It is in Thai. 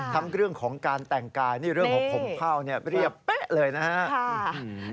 ทั้งเรื่องของการแต่งกายนี่เรื่องของผมเข้าเรียบเป๊ะเลยนะครับ